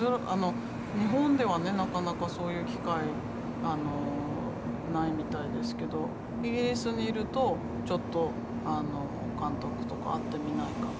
日本ではねなかなかそういう機会ないみたいですけどイギリスにいると「ちょっと監督とか会ってみないか」とかオーディション。